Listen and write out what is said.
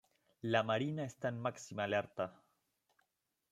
La marina está en máxima alerta.